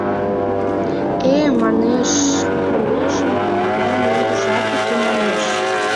— Э, манеш-манешын капка меҥгыжат уке, манеш.